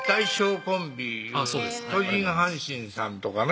巨人・阪神さんとかね